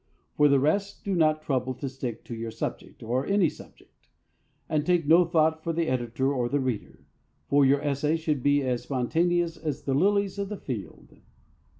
For the rest, do not trouble to stick to your subject, or any subject; and take no thought for the editor or the reader, for your essay should be as spontaneous as the lilies of the field.